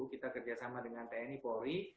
kita kerjasama dengan tni polri